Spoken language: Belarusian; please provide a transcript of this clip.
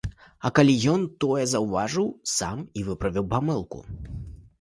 А калі ён тое заўважыў, сам і выправіў памылку.